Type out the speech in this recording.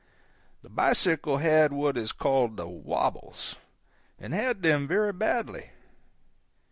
The bicycle had what is called the "wabbles," and had them very badly.